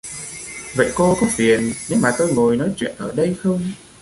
Vậy cô có phiền nếu mà tôi ngồi nói chuyện ở đây không